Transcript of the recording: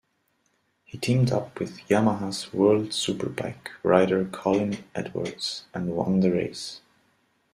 He teamed up with Yamaha's World Superbike rider Colin Edwards and won the race.